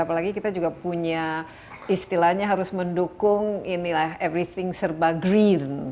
apalagi kita juga punya istilahnya harus mendukung inilah everything serba green